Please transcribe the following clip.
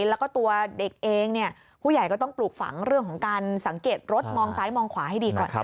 แล้วก็ตัวเด็กเองผู้ใหญ่ก็ต้องปลูกฝังเรื่องของการสังเกตรถมองซ้ายมองขวาให้ดีก่อน